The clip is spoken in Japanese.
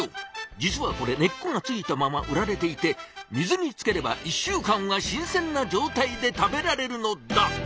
実はこれ根っこが付いたまま売られていて水につければ１週間は新鮮な状態で食べられるのだ！